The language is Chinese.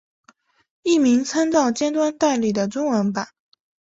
译名参照尖端代理的中文版。